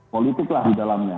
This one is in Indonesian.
politik lah di dalamnya